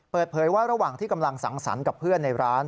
เปิดเผยว่าระหว่างที่กำลังสังสรรค์กับเพื่อนในร้าน